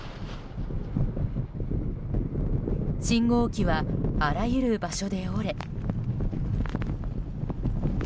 信号機はあらゆる場所で折れ。